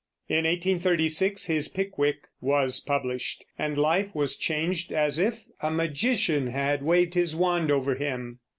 In 1836 his Pickwick was published, and life was changed as if a magician had waved his wand over him.